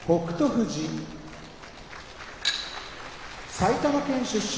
富士埼玉県出身